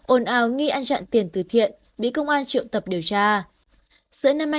ba ôn ào nghi ăn chặn tiền từ thiện bị công an triệu tập điều tra